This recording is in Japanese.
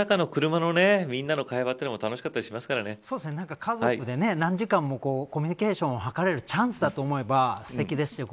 渋滞の中の車の中のみんなの会話も楽しかったり家族で何時間もコミュニケーションを図れるチャンスだと思えばすてきですよね。